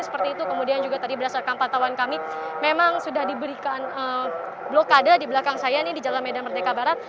seperti itu kemudian juga tadi berdasarkan pantauan kami memang sudah diberikan blokade di belakang saya ini di jalan medan merdeka barat